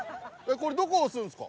これどこ押すんですか？